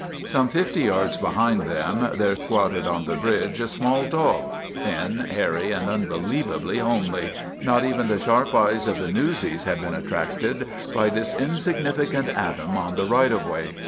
Some fifty yards behind them there squatted on 160 SPIDER OF THE NEWSIES the bridge a small dog, thin, hairy, and unbelievably homely. Not even the sharp eyes of the newsies had been attracted by this insignificant atom on the right of way.